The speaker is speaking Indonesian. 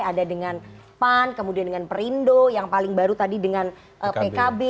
ada dengan pan kemudian dengan perindo yang paling baru tadi dengan pkb